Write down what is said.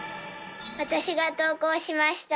私が投稿しました。